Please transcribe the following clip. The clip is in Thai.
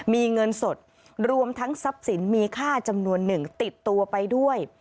มีเงินสดรวมทั้งทรัพย์สินมีค่าจำนวนหนึ่งติดตัวไปด้วย